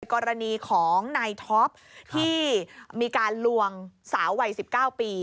กรณีของนายท็อปที่มีการลวงสาววัย๑๙ปี